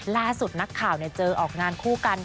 ล่าสุดนักข่าวเจอออกงานคู่กัน